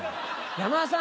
山田さん